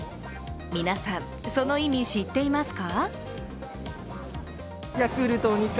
皆さん、その意味、知っていますか？